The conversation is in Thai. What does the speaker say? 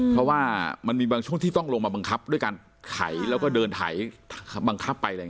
เพราะว่ามันมีบางช่วงที่ต้องลงมาบังคับด้วยการไถแล้วก็เดินไถบังคับไปอะไรอย่างนี้